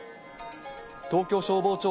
東京消防庁